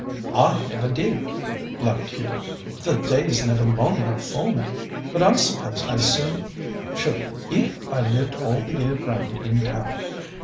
"I never do," laughed Hubert; "the day's never long enough for me; but I suppose I soon should if I lived all the year round in town.